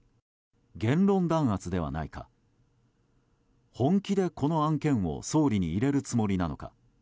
言論弾圧ではないか本気でこの案件を総理に入れるつもりなのか。